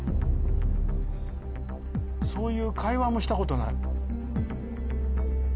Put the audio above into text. そういう会話もしたことない。